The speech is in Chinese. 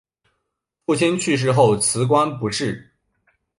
父亲去世后辞官不仕。